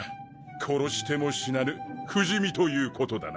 殺しても死なぬ不死身ということだな。